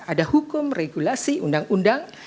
ada hukum regulasi undang undang